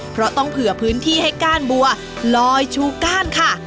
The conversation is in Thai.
เพราะต้องเผื่อพื้นที่ให้ก้านบัวลอยชูก้านค่ะ